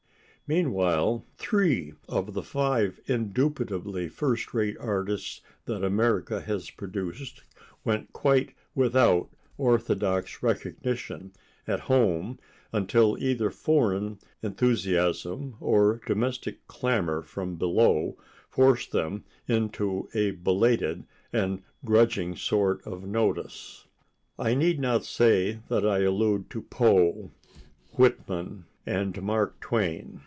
Meanwhile, three of the five indubitably first rate artists that America has produced went quite without orthodox recognition at home until either foreign enthusiasm or domestic clamor from below forced them into a belated and grudging sort of notice. I need not say that I allude to Poe, Whitman and Mark Twain.